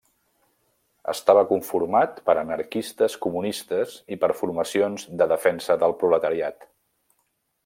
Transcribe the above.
Estava conformat per anarquistes, comunistes i per formacions de defensa del proletariat.